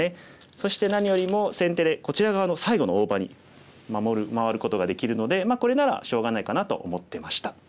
そして何よりも先手でこちら側の最後の大場に回ることができるのでこれならしょうがないかなと思ってました。